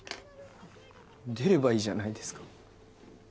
出ればいいじゃないですか。